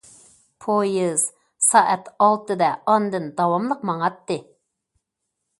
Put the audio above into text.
پويىز سائەت ئالتىدە ئاندىن داۋاملىق ماڭاتتى.